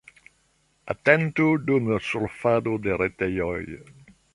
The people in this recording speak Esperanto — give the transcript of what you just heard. Atentu dum surfado de retejoj.